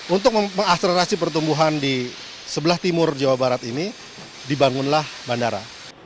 untuk mengakselerasi pertumbuhan di sebelah timur jawa barat ini dibangunlah bandara